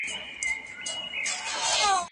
بېاسلوبه وینا ژر هېرېږي.